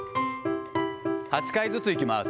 ８回ずついきます。